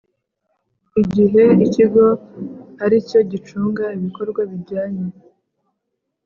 Igihe ikigo ari cyo gicunga ibikorwa bijyanye